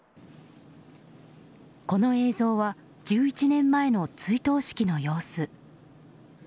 この映像は１１年前の追悼式の様子。